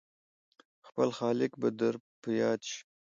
خپل خالق به در په ياد شي !